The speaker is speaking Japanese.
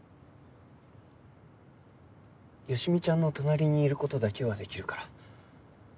好美ちゃんの隣にいる事だけはできるから。